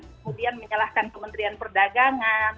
kemudian menyalahkan kementerian perdagangan